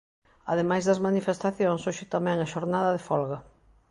Ademais das manifestacións hoxe tamén é xornada de folga.